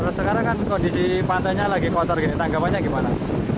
kalau sekarang kan kondisi pantainya lagi kotor gini tanggapannya gimana